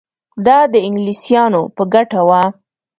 دا د انګلیسیانو په ګټه وه.